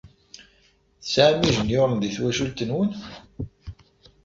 Tesɛam ijenyuren di twacult-nwen?